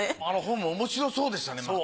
あの本もおもしろそうでしたね